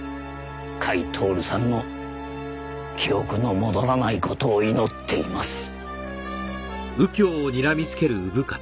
甲斐享さんの記憶の戻らない事を祈っています。